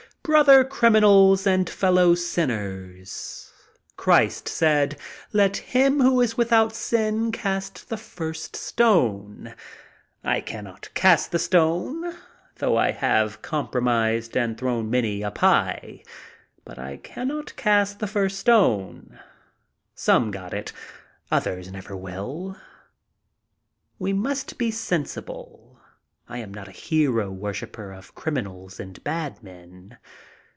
"Brother criminals and fellow sinners: Christ said, 'Let him who is without sin cast the first stone.' I cannot cast the stone, though I have compromised and thrown many a pie. But I cannot cast the first stone." Some got it. Others never will. We must be sensible. I am not a hero worshiper of criminals and bad men.